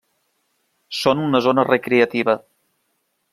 Són una zona recreativa.